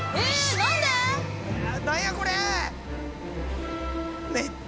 何やこれ？